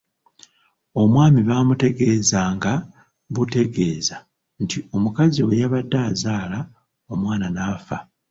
Omwami baamutegeezanga butegeeza nti omukazi bwe yabadde azaala omwana n’afa.